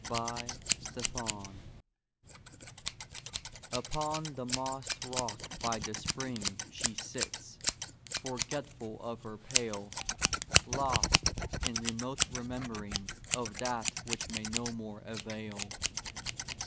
THE SOLITARY Upon the mossed rock by the spring She sits, forgetful of her pail, Lost in remote remembering Of that which may no more avail.